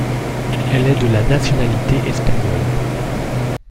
Elle est de la nationalité espagnole.